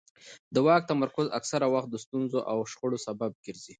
د واک تمرکز اکثره وخت د ستونزو او شخړو سبب ګرځي